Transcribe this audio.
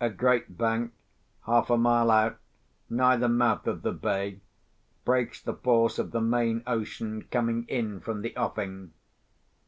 A great bank, half a mile out, nigh the mouth of the bay, breaks the force of the main ocean coming in from the offing.